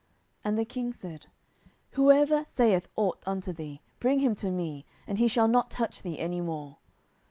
10:014:010 And the king said, Whoever saith ought unto thee, bring him to me, and he shall not touch thee any more.